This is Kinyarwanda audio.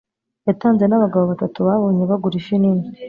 yatanze n'abagabo batatu babonye bagura ifi nini